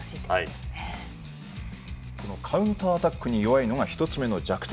カウンターアタックに弱いのが１つ目の弱点。